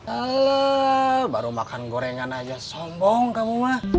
halo baru makan gorengan aja sombong kamu mah